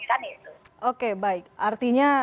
kan itu oke baik artinya